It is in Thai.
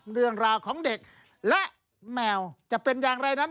เรื่องราวของเด็กและแมวจะเป็นอย่างไรนั้น